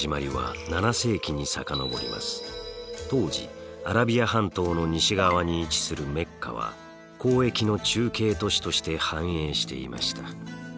当時アラビア半島の西側に位置するメッカは交易の中継都市として繁栄していました。